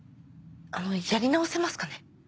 あのやり直せますかね？